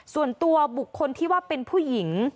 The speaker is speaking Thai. ส่วนตัวบุคคลที่ว่าเป็นผู้หญิง